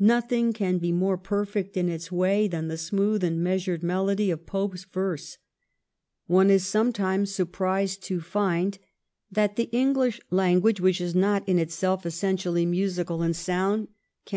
Nothing can be more perfect in its way than the smooth and measured melody of Pope's verse. One is sometimes surprised to find that the English language, which is not in itself essentially musical in 1712 14 POPE'S POPULARITY. 241 sound, can.